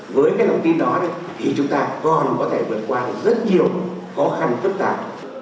với cái lòng tin đó thì chúng ta còn có thể vượt qua rất nhiều khó khăn phức tạp